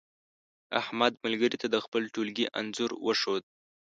احمد ملګري ته د خپل ټولگي انځور وښود.